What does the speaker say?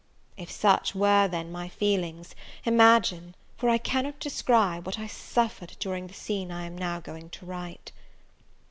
If such were, then, my feelings, imagine, for I cannot describe, what I suffered during the scene I am now going to write.